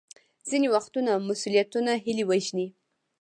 ځینې وختونه مسوولیتونه هیلې وژني.